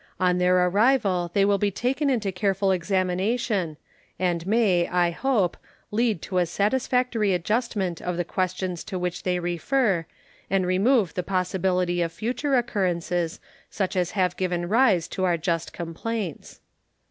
On their arrival they will be taken into careful examination, and may, I hope, lead to a satisfactory adjustment of the questions to which they refer and remove the possibility of future occurrences such as have given rise to our just complaints.